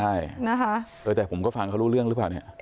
ใช่นะคะเออแต่ผมก็ฟังเขารู้เรื่องหรือเปล่าเนี่ย